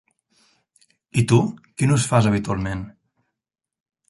I tu, quin ús fas habitualment?